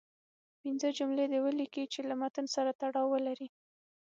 پنځه جملې دې ولیکئ چې له متن سره تړاو ولري.